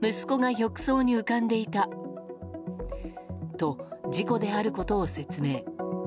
と、事故であることを説明。